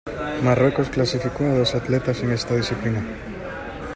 Marruecos clasificó a dos atletas en esta disciplina.